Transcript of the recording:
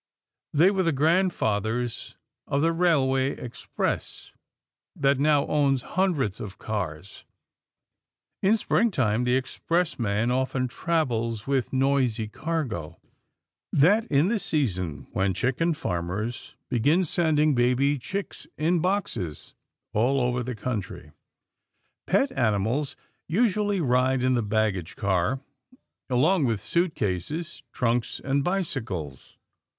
They were the grandfathers of the Railway Express that now owns hundreds of cars. In springtime, the express man often travels with noisy cargo. That is the season when chicken farmers begin sending baby chicks in boxes all over the country. Pet animals usually ride in the baggage car, along with suitcases, trunks and bicycles.